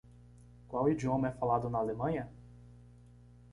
Qual idioma é falado na Alemanha?